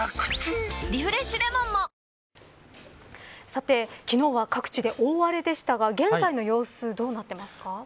さて昨日は各地で大荒れでしたが現在の様子どうなっていますか。